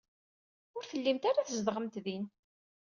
Ur tellimt ara tzedɣemt din.